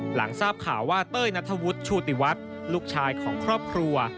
หลังทราบข่าวว่าเต้ยนัทวุฒิโชติวัฒน์ลูกชายของครอบครัว